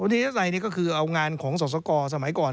ดีเอสไอก็คือเอางานของศักดิ์สกรสมัยก่อน